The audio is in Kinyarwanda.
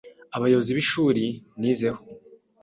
abayobozi b’ishuri nizeho